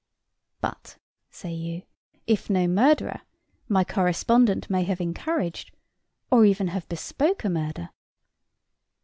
"But," say you, "If no murderer, my correspondent may have encouraged, or even have bespoke a murder."